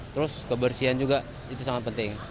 terus kebersihan juga itu sangat penting